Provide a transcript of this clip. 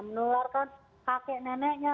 menularkan kakek neneknya